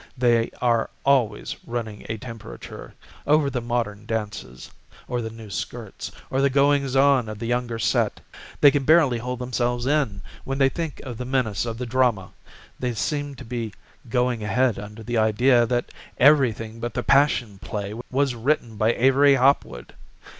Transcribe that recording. They are always running a temperature Over the modern dances, Or the new skirts, Or the goings on of the younger set. They can barely hold themselves in When they think of the menace of the drama; They seem to be going ahead under the idea That everything but the Passion Play Was written by Avery Hopwood.